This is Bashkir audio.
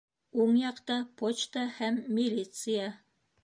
Уң яҡта почта һәм милиция.